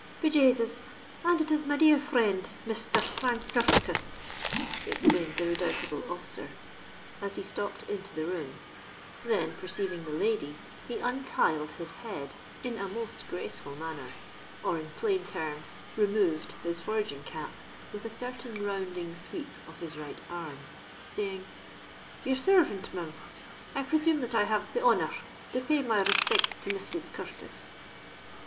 "Be Jasus! and it is my dear friend, Misther Frank Cur r tis!" exclaimed the redoubtable officer, as he stalked into the room: then, perceiving the lady, he untiled his head in a most graceful manner—or, in plain terms, removed his foraging cap with a certain rounding sweep of his right arm, saying, "Your servint, Mim. I presume that I have the honour r to pay my rispicts to Mrs. Curtis?"